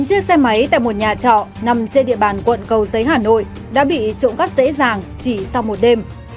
một chiếc xe máy tại một nhà trọ nằm trên địa bàn quận cầu giấy hà nội đã bị trộm cắt dễ dàng chỉ sau một đêm